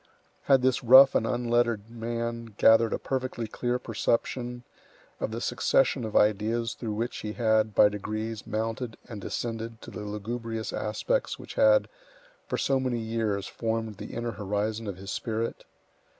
Had this rough and unlettered man gathered a perfectly clear perception of the succession of ideas through which he had, by degrees, mounted and descended to the lugubrious aspects which had, for so many years, formed the inner horizon of his spirit?